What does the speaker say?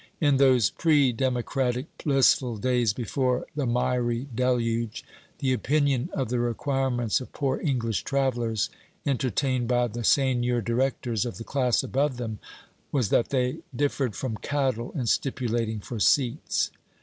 In those pre democratic blissful days before the miry Deluge, the opinion of the requirements of poor English travellers entertained by the Seigneur Directors of the class above them, was that they differed from cattle in stipulating for seats.